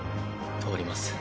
通ります。